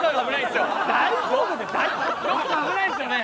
危ないですよね？